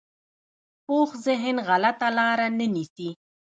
پوخ ذهن غلطه لاره نه نیسي